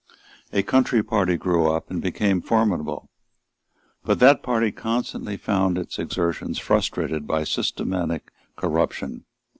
A country party grew up and became formidable. But that party constantly found its exertions frustrated by systematic corruption.